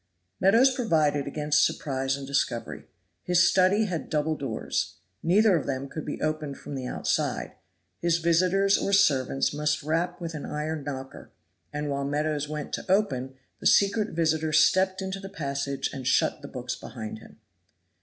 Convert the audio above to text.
Meadows provided against surprise and discovery. His study had double doors. Neither of them could be opened from the outside. His visitors or servants must rap with an iron knocker; and while Meadows went to open, the secret visitor stepped into the passage and shut the books behind him.